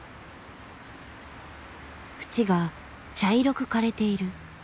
縁が茶色く枯れている。